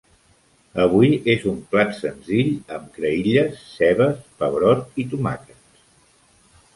Avui és un plat senzill amb creïlles, cebes, pebrot i tomaques.